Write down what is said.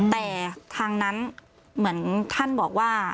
แต่ทางนั้นเหมือนท่านบอกว่า